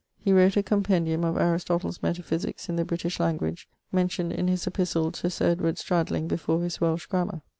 he wrote a compendium of Aristotle's Metaphysiques in the British language, mentioned in his epistle to Sir Stradling before his Welsh Grammar.